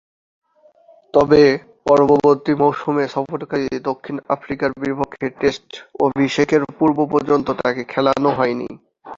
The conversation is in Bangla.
তবে, পরবর্তী মৌসুমে সফরকারী দক্ষিণ আফ্রিকার বিপক্ষে টেস্ট অভিষেকের পূর্ব-পর্যন্ত তাকে খেলানো হয়নি।